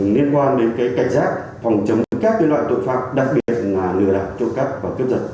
liên quan đến cảnh giác phòng chấm các loại tội phạm đặc biệt là ngừa đạn trộm cắp và cướp giật